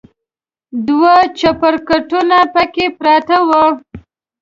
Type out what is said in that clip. دوه چپرکټونه پکې پراته و.